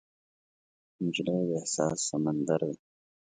نجلۍ د احساس سمندر ده.